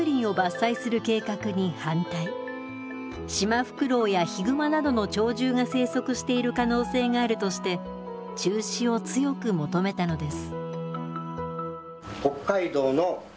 シマフクロウやヒグマなどの鳥獣が生息している可能性があるとして中止を強く求めたのです。